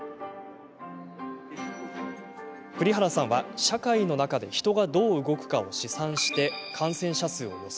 栗原さんは、社会の中で人がどう動くかを試算して感染者数を予測。